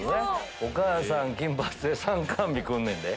お母さん金髪で参観日来るねんで。